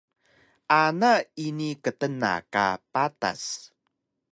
Ana ini ktna ka patas